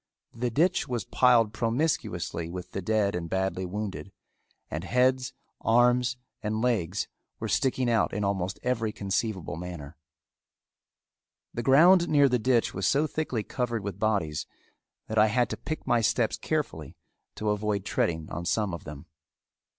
The ditch was piled promiscuously with the dead and badly wounded and heads, arms, and legs were sticking out in almost every conceivable manner. The ground near the ditch was so thickly covered with bodies that I had to pick my steps carefully to avoid treading on some of them.